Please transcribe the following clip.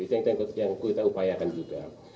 itu yang kita upayakan juga